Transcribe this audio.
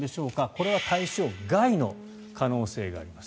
これは対象外の可能性があります。